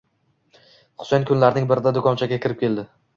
Husayn kunlarning birida do`konchaga kirib keldi